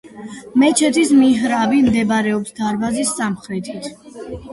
მეჩეთის მიჰრაბი მდებარეობს დარბაზის სამხრეთით.